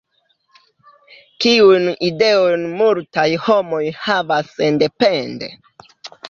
Kiujn ideojn multaj homoj havas sendepende?